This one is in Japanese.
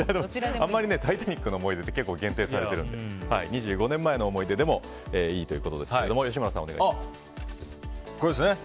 「タイタニック」の思い出って結構限定されているので２５年前の思い出でもいいということですけども吉村さん、お願いします。